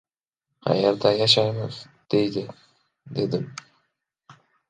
— Qayerda yashaymiz, deydi? — dedim.